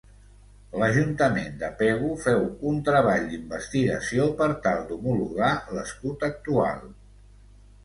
L'Ajuntament de Pego feu un treball d'investigació per tal d'homologar l'escut actual.